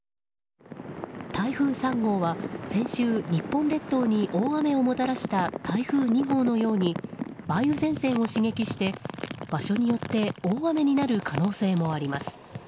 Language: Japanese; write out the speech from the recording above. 台風３号は先週、日本列島に大雨をもたらした台風２号のように梅雨前線を刺激して場所によって大雨になる可能性もあります。